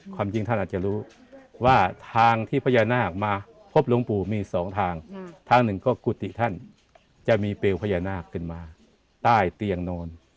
ความจริงท่านอาจจะรู้ว่าทางที่พญานาคมาพบหลวงปู่มีสองทางทางหนึ่งก็กุฏิท่านจะมีเปลวพญานาคขึ้นมาใต้เตียงนอน